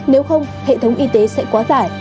nếu không hệ thống y tế sẽ quá dài